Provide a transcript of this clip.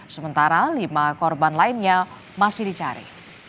sementara lima korban lainnya masih dicari